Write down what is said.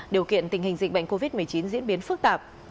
điều kiện tình hình dịch bệnh covid một mươi chín diễn biến phức tạp